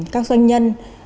các doanh nhân